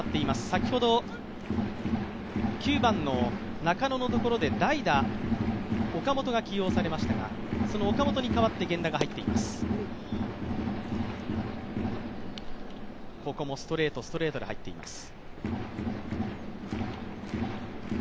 先ほど、９番の中野のところで代打岡本が起用されましたが、その岡本に代わって源田が入っています。